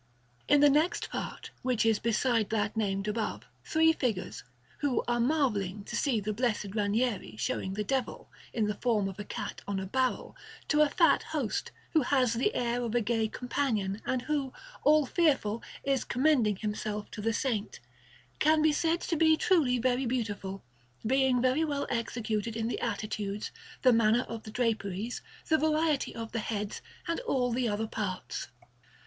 In the next part, which is beside that named above, three figures (who are marvelling to see the Blessed Ranieri showing the Devil, in the form of a cat on a barrel, to a fat host, who has the air of a gay companion, and who, all fearful, is commending himself to the Saint) can be said to be truly very beautiful, being very well executed in the attitudes, the manner of the draperies, the variety of the heads, and all the other parts.